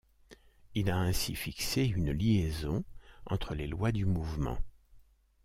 Il a ainsi fixé une liaison entre les lois du mouvement.